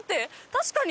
確かに！